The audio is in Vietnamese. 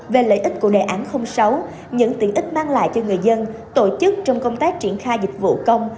về lợi ích của đề án sáu những tiện ích mang lại cho người dân tổ chức trong công tác triển khai dịch vụ công